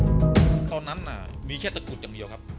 อ่าตอนนั้นอ่ะมีแค่ตะกุฎอย่างเดียวครับ